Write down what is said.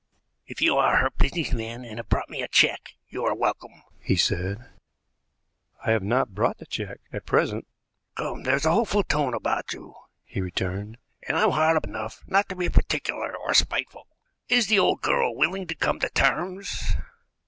"If you are her business man and have brought me a check, you are welcome," he said. "I have not brought the check at present." "Come, there's a hopeful tone about you," he returned, "and I'm hard up enough not to be particular or spiteful. Is the old girl willing to come to terms?"